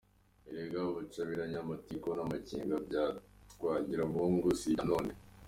Erega ubucabiranya, amatiku n’amacenga bya Twagiramungu si ibya none !